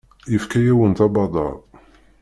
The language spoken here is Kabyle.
Yefka-yawent abadaṛ.